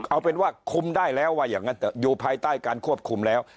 เอาเป็นว่าคุมได้แล้วว่าอย่างนั้นเถอะอยู่ภายใต้การควบคุมแล้ว